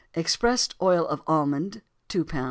Expressed oil of almond 2 lb.